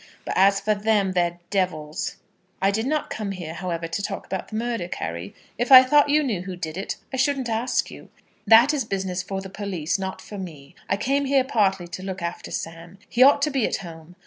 But as for them, they're devils." "I did not come here, however, to talk about the murder, Carry. If I thought you knew who did it, I shouldn't ask you. That is business for the police, not for me. I came here partly to look after Sam. He ought to be at home.